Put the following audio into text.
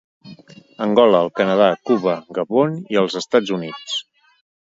Angola, el Canadà, Cuba, Gabon i els Estats Units.